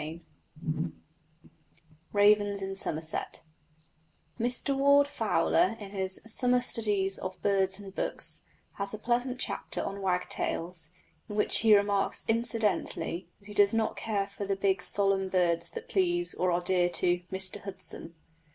CHAPTER VIII RAVENS IN SOMERSET Mr Warde Fowler in his Summer Studies of Birds and Books has a pleasant chapter on wagtails, in which he remarks incidentally that he does not care for the big solemn birds that please, or are dear to, "Mr Hudson."